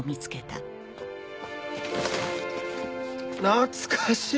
懐かしい！